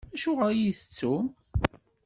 Acuɣeṛ i iyi-tettum?